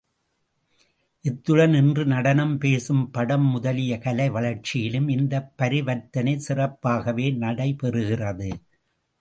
இத்துடன் இன்று நடனம், பேசும் படம் முதலிய கலை வளர்ச்சியிலும் இந்தப் பரிவர்த்தனை சிறப்பாகவே நடைபெறுகிறது.